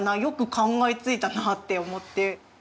よく考えついたなって思って。